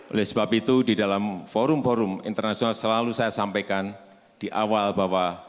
oleh sebab itu di dalam forum forum internasional selalu saya sampaikan di awal bahwa